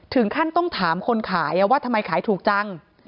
ถึงขั้นต้องถามคนขายว่าทำไมขายถูกจัง